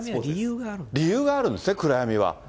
理由があるんですね、暗闇は。